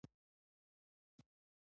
په مننې کښېنه، شکر وباسه.